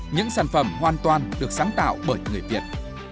những sản phẩm hoàn toàn được sáng tạo bởi người việt